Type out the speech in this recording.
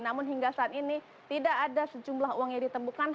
namun hingga saat ini tidak ada sejumlah uang yang ditemukan